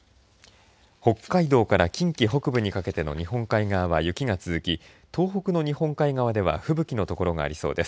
北海道から近畿北部にかけての日本海側は雪が続き東北の日本海側では吹雪の所がありそうです。